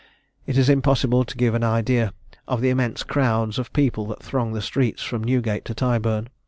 It is impossible to give an idea of the immense crowds of people that thronged the streets from Newgate to Tyburn.